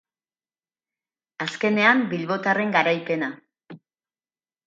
Azkenean, bilbotarren garaipena.